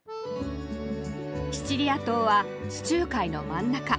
シチリア島は地中海の真ん中。